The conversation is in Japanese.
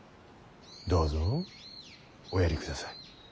どうぞおやりください。